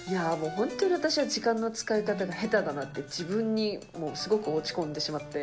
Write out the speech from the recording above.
本当に私は時間の使い方が下手だなって、自分にすごく落ち込んでしまって。